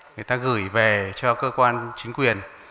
người ta gửi về cho cơ quan chính quyền